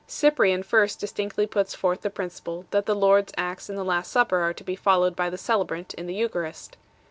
Cyprian first distinctly puts forth the principle that the Lord s acts in the Last Supper are to be followed by the celebrant in the Eucharist.